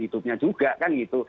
itu juga kan gitu